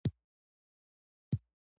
د کور دننه يخ باد بند کړئ.